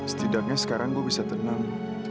setidaknya sekarang gue bisa tenang